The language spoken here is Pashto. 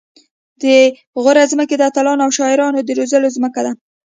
د غور ځمکه د اتلانو او شاعرانو د روزلو ځمکه ده